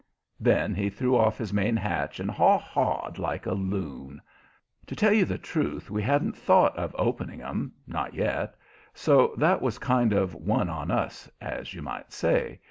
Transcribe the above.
Then he threw off his main hatch and "haw hawed" like a loon. To tell you the truth, we hadn't thought of opening 'em not yet so that was kind of one on us, as you might say.